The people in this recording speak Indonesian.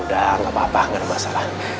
udah enggak apa apa gak ada masalah